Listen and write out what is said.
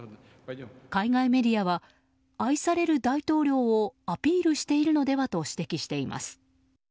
海外メディアは愛される大統領をアピールしているのではと指摘しています。